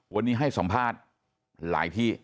วันนี้ให้สัมภาษณ์หลายที่